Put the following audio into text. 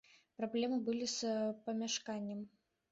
Праблемы былі з памяшканнем.